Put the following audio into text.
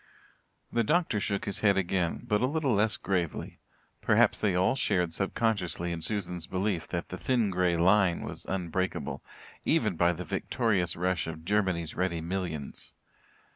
The doctor shook his head again, but a little less gravely; perhaps they all shared subconsciously in Susan's belief that "the thin grey line" was unbreakable, even by the victorious rush of Germany's ready millions.